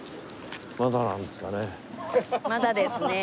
まだですね。